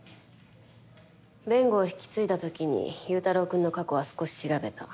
弁護を引き継いだ時に祐太郎くんの過去は少し調べた。